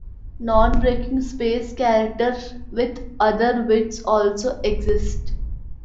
Non-breaking space characters with other widths also exist.